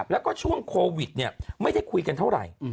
แล้วก็ช่วงโควิดไม่ได้คุยกันเท่าไหร่